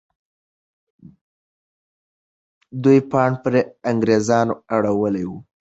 دوی پاڼ پر انګریزانو اړولی وو.